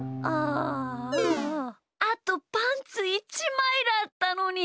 あとパンツ１まいだったのに。